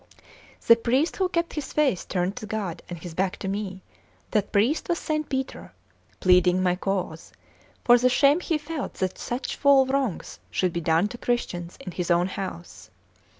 The priest who kept his face turned to God and his back to me, that priest was S. Peter, pleading my cause, for the shame he felt that such foul wrongs should be done to Christians in his own house.